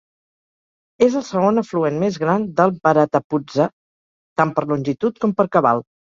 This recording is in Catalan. És el segon afluent més gran del Bharathapuzha, tant per longitud com per cabal.